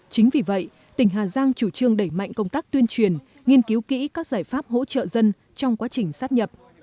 chính vì vậy tỉnh hà giang chủ trương đẩy mạnh công tác tuyên truyền nghiên cứu kỹ các giải pháp hỗ trợ dân trong quá trình sát nhập